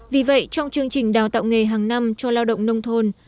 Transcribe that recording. vì vậy trong chương trình đào tạo nghề hàng năm cho lao động nông thôn